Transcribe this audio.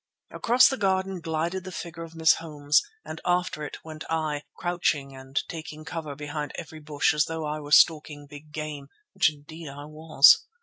Across the garden glided the figure of Miss Holmes and after it went I, crouching and taking cover behind every bush as though I were stalking big game, which indeed I was.